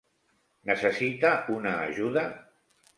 Necessita una ajuda?